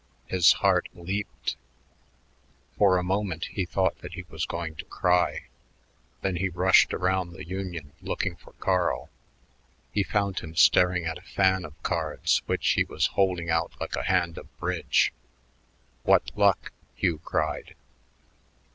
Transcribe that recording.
His heart leaped; for a moment he thought that he was going to cry. Then he rushed around the Union looking for Carl. He found him staring at a fan of cards, which he was holding like a hand of bridge. "What luck?" Hugh cried.